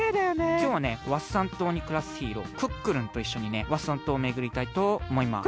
きょうはねワッサン島にくらすヒーロークックルンといっしょにねワッサン島をめぐりたいとおもいます。